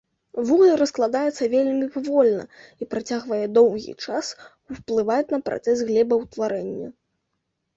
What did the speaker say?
Вугаль раскладаецца вельмі павольна і працягвае доўгі час ўплываць на працэс глебаўтварэння.